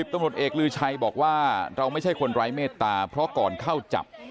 ตำรวจเอกลือชัยบอกว่าเราไม่ใช่คนไร้เมตตาเพราะก่อนเข้าจับ